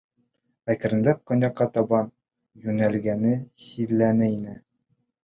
Әкренләп көньяҡҡа табан йүнәлгәне һиҙелә ине.